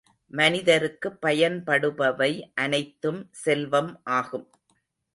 மனிதருக்குப் பயன்படுபவை அனைத்தும் செல்வம் ஆகும்.